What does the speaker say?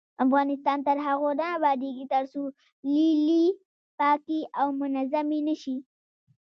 افغانستان تر هغو نه ابادیږي، ترڅو لیلیې پاکې او منظمې نشي.